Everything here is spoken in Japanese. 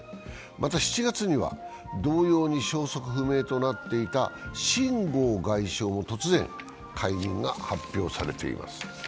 また７月には、同様に消息不明となっていた秦剛外相が突然、解任が発表されています。